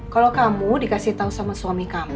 kalau kamu dikasih tahu sama suami kamu